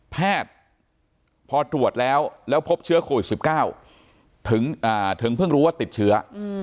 แพทย์พอตรวจแล้วแล้วพบเชื้อโควิด๑๙ถึงเพิ่งรู้ว่าติดเชื้อ